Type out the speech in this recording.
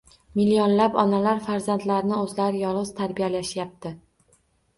Millionlab onalar farzandlarini o‘zlari yolg‘iz tarbiyalashyapti.